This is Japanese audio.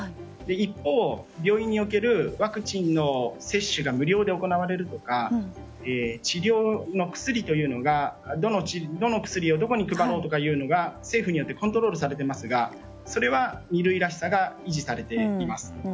一方、病院におけるワクチンの接種が無料で行われるとか治療の薬というのがどの薬をどこに配ろうというのが政府によってコントロールされていますがそれは二類らしさが維持されています。